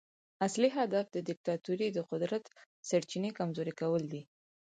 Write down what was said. اصلي هدف د دیکتاتورۍ د قدرت سرچینې کمزوري کول دي.